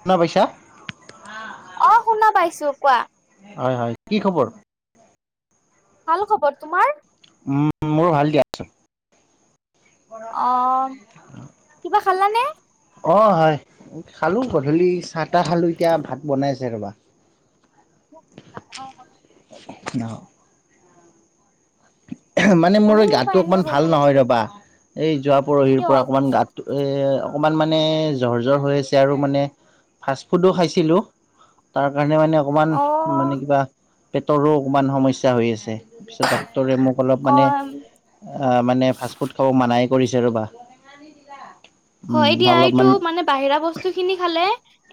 শুনা পাইছা। অ', শুনা পাইছোঁ কোৱা। হয়, হয় কি খবৰ? ভাল খবৰ তোমাৰ? উম মোৰো ভাল দিয়াচোন। অ', কিবা খালাানে? অ', হয়। খালোঁ গধূলি চাহ তাহ খালোঁ, এতিয়া ভাত বনাই আছে ৰবা। অ'। [inaudible] মানে মোৰ ময়ো এই ৰবা গাতটো এনে অকণমান ভাল বহি নহয় আছো ৰবা, এই যোৱা পৰহিৰ কিয় পৰা অকণমান গাত অকণমান মানে জ্বৰ, জ্বৰ হৈ আছে আৰু মানে ফাষ্ট ফুডো খাইছিলোঁ। তাৰ কাৰণে মানে অ অকমান মানে কিবা পেটৰো অকণমান সমস্যা হৈ আছে, তাৰপিছত ডক্টৰে মোক অলপ অ মানে মানে ফাষ্টফুড খাব মানাই কৰিছে ৰ'বা। হয় উম দিয়া, এইটো অলপমান মানে বাহিৰা বস্তু খিনি খালে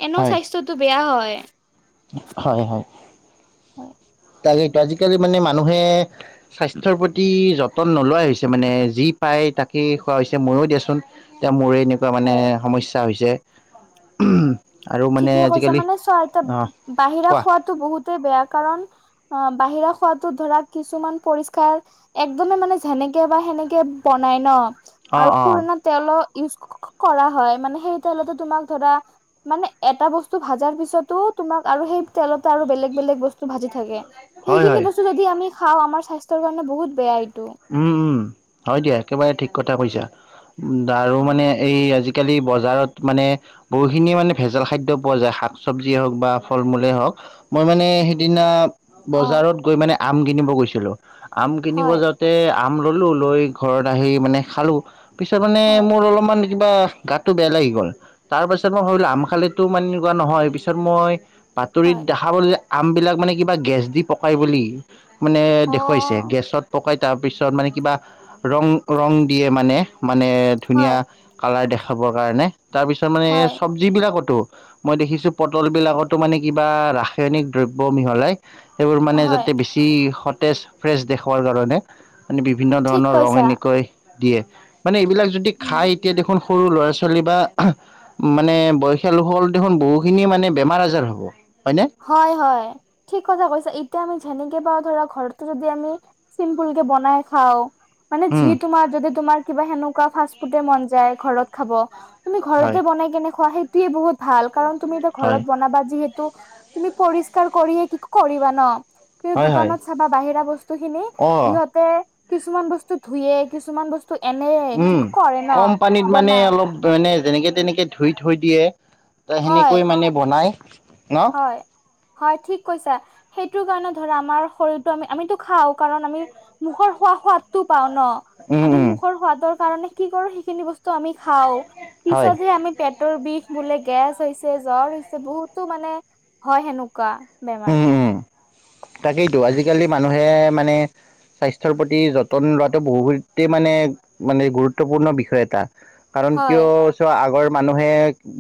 এনে হয় স্বাস্থ্যটো বেয়া হয়। হয়, হয়। হয়। কালি কালি আজিকালি মানে মানুহে স্বাস্থ্যৰ প্ৰতি যত'ন নোলোৱা হৈছে মানে যি পায় তাকে খোৱা হৈছে ময়ো দিয়াচোন। এতিয়া মোৰে এনেকুৱা মানে হয় সমস্যা হৈছে উ আৰু মানে ঠিকে কৈছা আজিকালি মানে চোৱা এতিয়া অ বাহিৰা কোৱা খোৱাতটো বহুতেই বেয়া কাৰণ অ', বাহিৰা খোৱাতো ধৰা কিছুমান পৰিস্কাৰ একদমে মানে যেনেকে বা সেনেকে বনাই ন। অ আৰু অ পুৰণা তেল ইউজ কৰা হয় মানে সেই তেলতো তোমাক ধৰা মানে এটা বস্তু ভাজাৰ পিছতো তোমাক আৰু সেই তেলতে আৰু বেলেগ, বেলেগ বস্তু ভাজি থাকে। হয় সেইখিনি হয় বস্তু যদি আমি খাওঁ আমাৰ স্বাস্থ্যৰ কাৰণে বহুত বেয়া এইটো উম, উম হয় দিয়া একেবাৰে ঠিক কথা কৈছা উ আৰু অ মানে এই আজিকালি বজাৰত মানে বহুখিনিয়ে মানে ভেজাল খাদ্য পোৱা যায় শাক চব্জিয়ে হওক বা ফল মূলেই হওঁক মই মানে সিদিনা বজাৰত গৈ মানে আম কিনিব গৈছিলো আম কিনিব হয় যা তাতে আম ললোঁ লৈ ঘৰত আহি মানে খালোঁ পিছত মানে হয় মোৰ অলপমান কিবা গাতটো বেয়া লাগি গ'ল তাৰ পাছত মই ভাবিলোঁ আম খালেতো মানে এনেকুৱা নহয় পিছত মই বাতৰিত হয় দেখা পালো আমবিলাক মানে কিবা গেছ দি পকাই বুলি মানে অ দেখুৱাইছে তে গেছত পকাই তাৰপিছত মানে কিবা ৰং ৰং দিয়ে মানে, মানে ধুনীয়া হয় কালাৰ দেখাবৰ কাৰণে তাৰ পিছত মানে হয় চব যিবিলাকতো মই দেখিছোঁ পটল বিলাকতো মানে কিবা ৰাসায়নিক দ্ৰব্য মিহলাই সেইবোৰ মানে হয় যাতে বেছি সতেজ ফ্ৰেছ দেখুওৱাৰ কাৰণে। মানে বিভিন্ন ঠিক ধৰণৰ ৰং কৈছা এনেকৈ দিয়ে মানে এইবিলাক যদি উম খাই এতিয়া দেখোন সৰু ল'ৰা ছোৱালী বা মানে বয়সীয়া লোকসকল দেখোন বহুখিনিয়ে মানে বেমাৰ আজাৰ হ'ব হয়নে। হয়, হয় ঠিক কথা কৈছা এতিয়া আমি যেনেকে পাওঁ ধৰা ঘৰতো যদি আমি চিম্পুল কে বনাই খাওঁ মান যি তোমাৰ যদি তোমাৰ কিবা সেনেকুৱা ফাৰ্ষ্ট ফুডৰ মন যায় ঘৰত খাব। তুমি হয় ঘৰতে বনাই কেনে খুৱোৱা সেইটোয়ে বহুত ভাল। কাৰণ তুমি এতিয়া হয় হয় ঘৰত বনাবা যিহেতু, তুমি পৰিষ্কাৰ কৰিয়ে কি কৰিবা ন? কিন্তু হয় হয় দোকানত চাবা বাহিৰা বস্তু খিনি অঁ ইহঁতে কিছুমান বস্তু ধুয়ে, কিছুমান বস্তু ত এনেই কি উম, কৰে ন কম পানীত মানে বনাই। অলপ মানে যেনেকে তেনেকে ধুই থৈ দিয়ে ত সেনেকৈ মানে বনাই। ন হয়-হয় ঠিক কৈছে। সেইটো কাৰণে ধৰা আমাৰ শৰটো আমি আমিতো খাওঁ কাৰণ আমি মুখৰ খোৱা সোৱাদটো পাও ন। উম, আমি উম মুখৰ সোৱাদৰ কাৰণে কি কৰো সেইখিনি বস্তু আমি খাও, হয় পিছতহে আমি পেটৰ বিষ বোলে, গেছ হৈছে, জ্বৰ হৈছে বহুতো মানে হয়, সেনেকুৱা বেমাৰ। উম উম। তাকেইতো আজিকালি মানুহে মানে, স্বাস্থ্যৰ প্ৰতি যতন লোৱাটো বহুতেই মানে মানে গুৰুত্বপূৰ্ণ বিষয় এটা। কাৰণ হয় কিয় চোৱা আগৰ মানুহে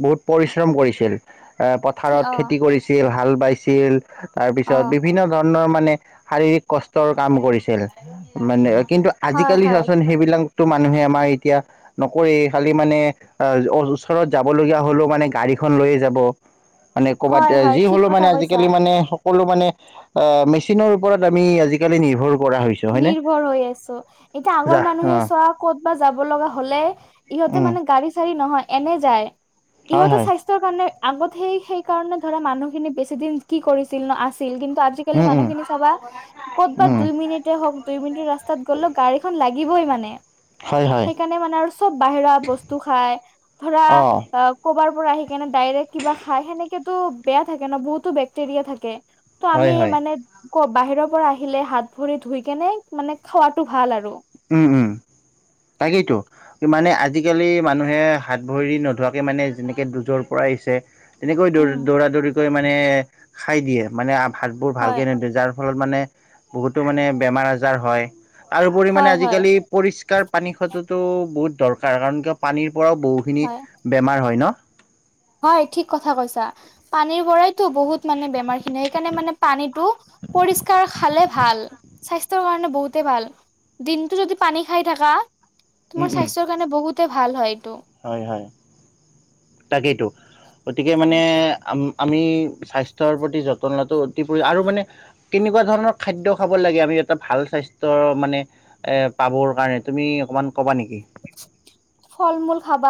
বহুত পৰিশ্ৰম কৰিছিল। এ ঠিক পথাৰত অ খেতি কৰিছিল, হাল বাইছিল। অ তাৰপিছত বিভিন্ন ধৰণৰ মানে, শাৰীৰিক কষ্টৰ কাম কৰিছিল মানে কিন্তু হয় আজিকালি হয় চোৱাচোন সেইবিলাক, তো মানুহে আমাৰ এতিয়া, নকৰি খালি মানে আহ ওচৰত যাব লগীয়া হলেও মানে গাড়ীখন লৈয়ে যাব। মানে ক'ৰবাত হয় হয় যি ঠিক হলেও মানে কথা আজিকালি কৈছা মানে সকলো মানে এ মেচিনৰ ওপৰত আমি আজিকালি নিৰ্ভয় কৰা হৈছোঁ। নিৰ্ভৰ হৈ আছো এতিয়া আগৰ মানুহে অ চোৱা ক'ত বা যাব লগা হলে, ইহতে উম মানে গাড়ী-চাড়ী নহয় এনে যায়। হয় ইহঁতে হয় স্বাস্থ্য কাৰণে আগত সেই সেইকাৰণে ধৰা মানুহখিনি বেছি দিন কি কৰিছিল ন, আছিল কিন্তু আজি কালি উম উম মানুখিনি চাবা ক'তবা উম দুই মিনিটেই হওক দুই মিনিট ৰাস্তা গলেও গাৰি খন লাগিবই মানে। হয় হয় সেইকাৰণে মানে আৰু চব বাহিৰা বস্তু খাই। ধৰা অ', কবাৰ পৰা আহি কেনে ডাইৰেক কিবা খাই। সেনেকেতো বেয়া থাকে ন' বহুতো বেক্টেৰিয়া থাকে। ত' আমি হয় হয় মানে বাহিৰৰ পৰা আহিলে হাত ভৰি ধুই কেনে মানে খাৱাটো ভাল আৰু। উম, উম, তাকেইতো। কি মানে আজিকালি মানুহে হাত ভৰি নোধোৱাকে মানে যেনেকে দুজৰ পৰা আহিছে। তেনেকৈ উম দৌ-দৌৰা-দৌৰিকৈ মানে খাই দিয়ে মানে। ভাতবোৰ হয় ভালকে নিদিওঁ যাৰ ফলত মানে বহুতো মানে বেমাৰ আজাৰ হয়, তাৰপৰিও মানে হয় হয় আজিকালি পৰিষ্কাৰ পানী খোৱাটোতো বহুত দৰকাৰ, কাৰণ কিয় পানীৰ পৰাও বহুখিনি হয় বেমাৰ হয় ন। হয়, ঠিক কথা কৈছা। পানীৰ পৰাই বহুত মানে বেমাৰ খিনিয়ি সেইকাৰণে মানে পানীতটো পৰিষ্কাৰ খালে ভাল। স্বাস্থ্যৰ কাৰণে বহুতে ভাল, দিনটো যদি পানী খাই থাকা। তোমাৰ স্বাস্থ্যৰ কাৰণে বহুতে ভাল হয় এইটো। হয়-হয়। তাকেইতো গতিকে মানে অ আমি স্বাস্থ্যৰ প্ৰতি যত্ন লোৱাটো অতি প্ৰয়োজন আৰু মানে কেনেকুৱা ধৰণৰ খাদ্য খাব লাগে? আমি এটা ভাল স্বাস্থ্যৰ মানে এ পাবৰ কাৰণে তুমি অকমান কবা নেকি? ফল-মূল খাবা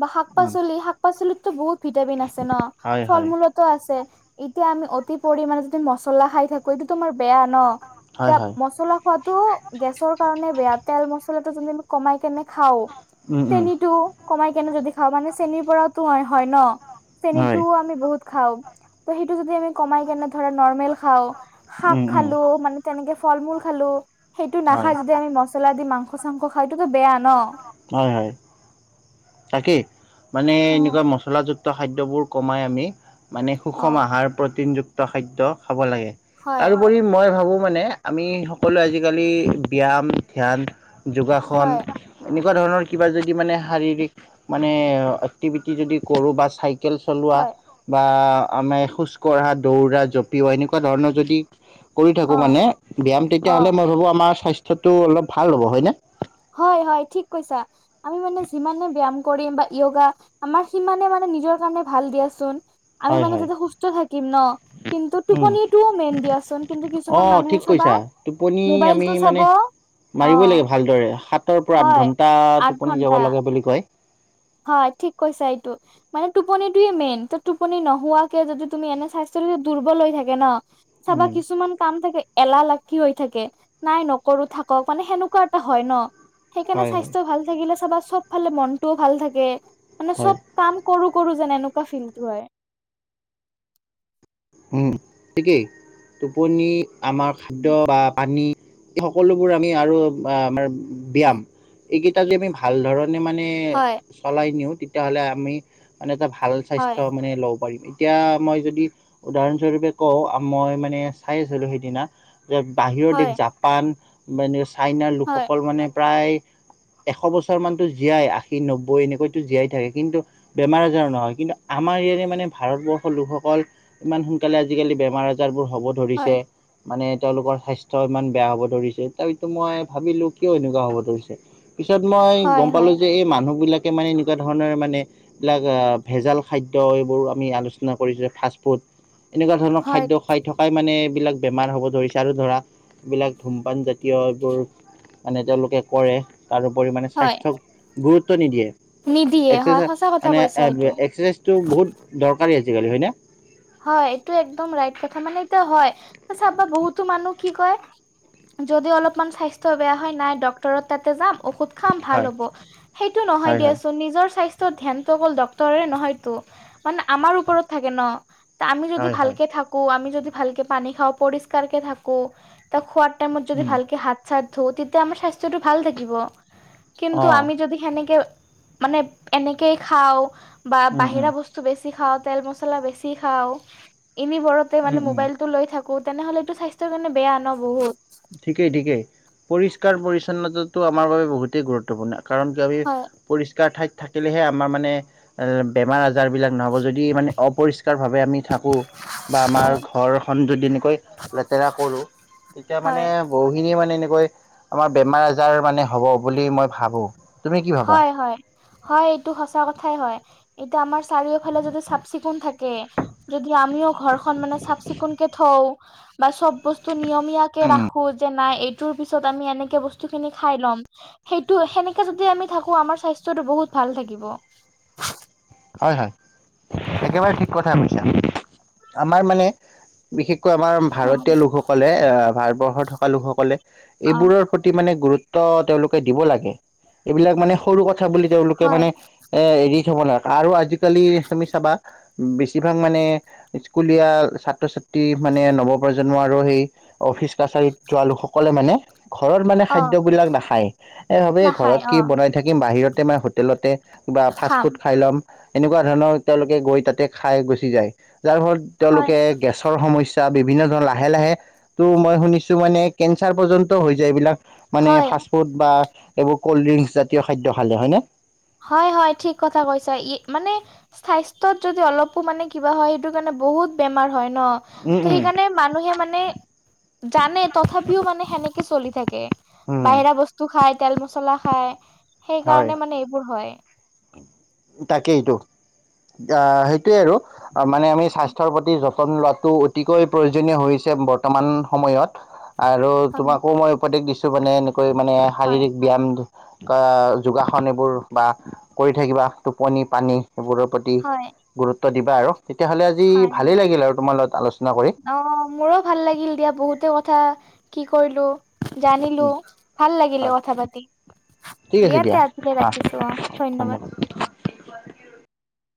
বা শাক উম পাচলি শা শাক-পাচলিতো বহুত ভিটামিন আছে ন' হয় হয় ফল-মূলত, আছে, এতিয়া আমি অতি পৰিমণে যদি মছলা খাই থাকো। টো তোমাৰ বেয়া ন, হয় এয়া হয় মছলা খোৱাতো গেছৰ কাৰণে বেয়া, তেল মছলাটো যদি আমি কমাই কেনে খাও উম উম চেনটো কমাই কেনে যদি খাওঁ, মানে চেনীৰ পৰা এইটো, হয়-হয় ন'! হয় চেনীটোও আমি বহুত খাওঁ। ত' সেইটো যদি, আমি কমাই কেনে, ধৰা নৰ্মেল খাওঁ, শাক উম উম খালোঁ, মানে তেনেকে, ফল-মূল খালোঁ। সেইটো হয় নাখাই যদি, আমি, মছলা দি মাংস-চাংস খাই, সইটোতো, বেয়া ন'! হয়, হয়। তাকেই, মানে অ এনেকুৱা, মছলাযুক্ত খাদ্যবোৰ, কমাই আমি মানে, অ সুষম আহাৰ, প্ৰটিনযুক্ত খাদ্য খাব লাগে। হয় তাৰোপৰি, মই ভাবোঁ মানে আমি, সকলোৱে আজিকালি, ব্যায়াম, ধ্যান, যোগাসন, হয় এনেকুৱা ধৰণৰ, কিবা যদি মানে, শাৰীৰিক মানে, এক্টিভিটি যদি কৰোঁ বা চাই চাইকেল চলোঁৱা হয় বা আমাৰ খোজ কঢ়া, দৌৰা, জঁপিওৱা এনেকুৱা ধৰণৰ, যদি কৰি থাকোঁ অ মানে, ব্যায়াম তেতিয়া অ হ'লে, মই ভাবোঁ! আমাৰ স্বাস্থ্যটো অলপ ভাল হ'ব। হয় নে? হয়, হয়! ঠিক কৈছা। আমি মানে, যিমানে ব্যয়াম কৰিম বা য়োগা আমাৰ, সিমানে মানে, নিজৰ কাৰণে ভাল দিয়াচোন। আমি হয় মানে, হয়। যেতিয়া সুস্থ থাকিম ন'! কিন্তু, উম টোপনিটোৱে মেইন দিয়াচোন। কিন্তু, অ কিছুমান ঠিক মানুহে চাবা কৈছা টোপনি আমি মোবাইলটো চাব মানে, অ' মাৰিবই লাগে, ভালদৰে। সাত সাতৰ পৰা, আঠ হয় ঘণ্টা আঠ টোপনি ঘন্টা যাব লাগে, বুলি কয়। হয়, ঠিক কৈছা এইটো। মানে, টোপনিটোৱে মেইন। ত' টোপনি নোহোৱাকে, যদি তুমি, এনে স্বাস্থ্যটো যদি দুৰ্বল হৈ থাকে, ন'! চাবা, উম কিছুমান কাম থাকে, এলাহ লাগি হৈ থাকে। নাই নকৰোঁ, থাকক। মানে, সেনেকুৱা এটা হয়, ন'! সেইকাৰণে, হয় হয় স্বাস্থ্য ভাল থাকিলে চাবা, চব ফালে মনটোও, ভাল থাকে। মানে, হয় চব কাম কৰোঁ, কৰোঁ যেন, এনেকুৱা ফিলটো হয়। উম, ঠিকেই! টোপনি, আমাৰ খাদ্য বা পানী এই, সকলোবোৰ আমি আৰু আমাৰ, অ ব্যায়াম এইকেইটা যদি, আমি ভাল ধৰণে মানে, হয় চলাই নিওঁ। তেতিয়াহ'লে, আমি মানে, এটা ভাল হয় স্বাস্থ্য মানে, ল'ব পাৰিম। এতিয়া, মই যদি উদাহৰণস্বৰূপে, কওঁ! মই মানে, চাই আছিলোঁ সেইদিনা, যে বাহিৰৰ দেশ, হয় জা জাপান, মানে চাইনাৰ হয় লোকসকল মানে, প্ৰায় এশ বছৰ মানতো জীয়াই, আশী- নব্বৈ এনেকৈতো জীয়াই থাকে। কিন্তু, বেমাৰ-আজাৰ নহয়। কিন্তু, আমাৰ ইয়াৰে মানে, ভাৰতবৰ্ষৰ লোকসকল ইমান সোনকালে, আজিকালি বেমাৰ-আজাৰবোৰ হ'ব হয় ধৰিছে। মানে, তেওঁলোকৰ স্বাস্থ্য ইমান বেয়া হ'ব ধৰিছে, তথাপিতো, মই ভাবিলোঁ! কিয় এনেকুৱা হ'ব ধৰিছে। পিছত মই হয় গম হয় পালোঁ যে, এই মানুহবিলাকে মানে, এনেকুৱা ধৰণৰ মানে, এইবিলাক আঁ ভেজাল খাদ্য, এইবোৰো আমি আলোচনা কৰিছোঁ, ফাষ্টফুড। এনেকুৱা ধৰণৰ, হয় খাদ্য খাই থকাই মানে, এইবিলাক বেমাৰ হ'ব ধৰিছে। আৰু ধৰা, এই বিলাক ধূমপান জাতীয়, এইবোৰ মানে, তেওঁলোকে কৰে। তাৰ উপৰি মানে, হয় স্বাস্থ্যক গুৰুত্ব নিদিয়ে। নিদিয়ে হয় এক্সাৰচাইজ, সঁচা [unintelligible] কথা মানে, কৈছা এইটো এক্সাচাইজটো বহুত দৰকাৰী আজিকালি, হয়নে? হয়! এইটো একদম ৰাইট কথা, মানে। এতিয়া, হয়! [unintelligible] বহুতো মানুহ কি কয়! যদি অলপমান, স্বাস্থ্য বেয়া হয়, নাই ডক্টৰৰ তাতে, যাম। ঔষধ খাম, ভাল হয় হ'ব। সেইটো নহয়, হয় হয় দিয়াচোন! নিজৰ স্বাস্থ্য ধ্যানটো অকল, ডক্তৰে নহয়তো। মানে, আমাৰ ওপৰত থাকে ন'! আমি যদি, হয় হয় ভালকে থাকোঁ। আমি যদি, ভালকে পানী খাওঁ, পৰিষ্কাৰকে থাকোঁ, খোৱা টাইমত, যদি উম ভালকে হাত-চাত ধুওঁ, তেতিয়া আমাৰ স্বাস্থ্যটো, ভাল থাকিব। কিন্তু, অ আমি যদি সেনেকে, মানে এনেকে, খাওঁ বা উম উম বাহিৰা বস্তু বস্তু বেছি খাওঁ, তেল-মছলা বেছি খাওঁ। অনবৰতে মানে, উম উম ম'বাইলটো লৈ থাকোঁ। তেনেহ'লেতো, স্বাস্থ্যৰ কাৰণে বেয়া ন' বহুত! ঠিকেই, ঠিকেই। পৰিষ্কাৰ-পৰিচ্ছন্নতাটো আমাৰ বাবে, বহুতেই গুৰুত্বপূৰ্ণ। কাৰণতো আমি, হয়, পৰিষ্কাৰ ঠাইত থাকিলেহে, আমাৰ মানে, বেমাৰ-আজাৰ বিলাক নহ'ব যদি মানে, অপৰিষ্কাৰভাৱে আমি থাকোঁ! বা আমাৰ, হয়, ঘৰখন যদি এনেকৈ, লেতেৰা কৰোঁ। তেতিয়া মানে হয়, বহুখিনিয়ে মানে এনেকৈ আমাৰ বেমাৰ আজাৰ মানে হ'ব বুলি মই ভাবোঁ। তুমি কি ভাবা হয় হয়। হয়, এইটো সঁচা কথাই হয়। এতিয়া আমাৰ চাৰিওফালে যদি চাফ চিকুন থাকে যদি আমিও ঘৰখন মানে চাফ চিকুণ কে থওঁ বা চব বস্তু নিয়ম ধুনীয়াকে উম, ৰাখোঁ যে নাই এইটো এইটোৰ পিছত আমি এনেকে বস্তুখিনি খাই লম, সেইটো সেনেকে যদি আমি থাকোঁ, আমাৰ স্বাস্থ্যটো বহুত ভাল থাকিব। হয় হয়, একেবাৰে ঠিক কথাই কৈছা। আমাৰ মানে বিশেষকৈ আমাৰ অ', ভাৰতীয় লোকসকলে আ, ভাৰতবৰ্ষত থকা লোকসকলে অ', এইবোৰৰ প্ৰতি মানে গুৰুত্ব তেওঁলোকে দিব লাগে, এইবিলাক মানে সৰু কথা বুলি তেওঁলোকে হয়, মানে এ, এৰি থ'ব নোৱাৰা আৰু আজিকালি তুমি চাবা বেছিভাগ মানে স্কুলীয়া ছাত্ৰ ছাত্ৰী মানে নৱপ্ৰজন্ম আৰু সেই অফিচ কাছাৰীত যোৱা লোকসকলে মানে ঘৰত মানে অ', খাদ্যবিলাক নাখায়, এ, ভাবে নাখায় ঘৰত কি অ', বনাই থাকিম, বাহিৰতে মানে হোটেলতে বা ফাষ্ট খাম ফুড খাই ল'ম, এনেকুৱা ধৰণৰ তেওঁলোকে গৈ তাতে খাই গুচি যায়, যাৰ ফলত হয়, তেওঁলোকে গেছৰ সমস্যা, বিভিন্ন ধৰণ লাহে লাহে টো মই শুনিছোঁ মানে কেঞ্চাৰ পৰ্যন্ত হৈ যায় এইবিলাক মানে হয়। ফাষ্ট ফুড বা এইবোৰ ক'ল্ড ড্ৰিংকছ জাতীয় খাদ্য খালে হয়নে? হয় হয়, ঠিক কথা কৈছা, ই মানে স্বাস্থ্যত যদি অলপো মানে কিবা হয় সেইটো কাৰণে বহুত বেমাৰ হয় ন' উম উম সেইকাৰণে মানুহে মানে জানে তথাপিও মানে সেনেকে চলি থাকে। উম বাহিৰা বস্তু খাই, তেল মছলা খায় সেই হয় কাৰণে মানে এইবোৰ হয়। তাকেই এইটো, আ, সেইটোৱে আৰু মানে আমি স্বাস্থ্যৰ প্ৰতি যত্ন যত্ন লোৱাটো অতিকৈ প্ৰয়োজনীয় হৈছে বৰ্তমান সময়ত আৰু হয়, তোমাকো মই উপদেশ দিছোঁ মানে এনেকৈ মানে হয়, শাৰীৰিক ব্যাম যোগাসন এইবোৰ বা কৰি থাকিবা, টোপনি পানী সেইবোৰৰ প্ৰতি হয়, গুৰুত্ব দিবা আৰু। তেতিয়াহ'লে আজি হয়, হয়। ভালেই লাগিল আৰু তোমাৰ লগত আলোচনা কৰি। অ' মোৰো ভাল লাগিল দিয়া, বহুতে কথা কি কৰিলো জানিলোঁ, ভাল লাগিল হয় কথা পাতি। দিয়া তে আজিলৈ ৰাখিছোঁ অ' ধন্যবাদ।